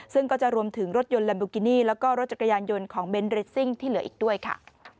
ซึ่งก็จะรวมถึงรถยนต์ลัมโบกินี่แล้วก็รถจักรยานยนต์ของเบนท์เรสซิ่งที่เหลืออีกด้วยค่ะ